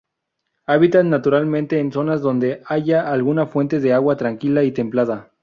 Habitan naturalmente en zonas donde haya alguna fuente de agua tranquila y templada.